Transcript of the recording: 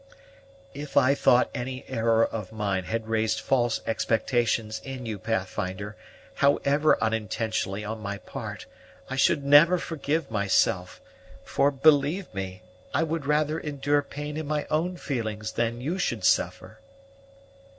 "If I thought any error of mine had raised false expectations in you, Pathfinder, however unintentionally on my part, I should never forgive myself; for, believe me, I would rather endure pain in my own feelings than you should suffer."